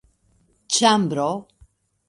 ĉambro